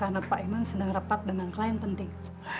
karena pak imam sedang repat dengan klien penting